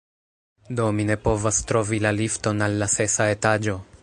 Do, mi ne povas trovi la lifton al la sesa etaĝo!